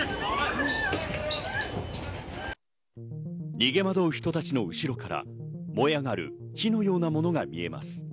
逃げ惑う人たちの後ろから燃え上がる火のようなものが見えます。